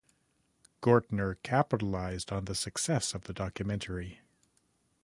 Gortner capitalized on the success of the documentary.